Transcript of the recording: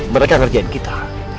mereka ngerjain kita